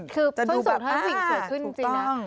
ส้นสูงสะให้ผู้หญิงสวยขึ้นจริงนะ